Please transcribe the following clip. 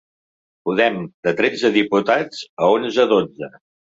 Podem: de tretze diputats a onze-dotze.